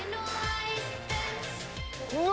うわ！